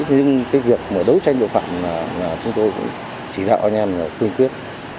nhưng cái việc mà đấu tranh tội phạm là chúng tôi cũng chỉ đạo anh em là cương quyết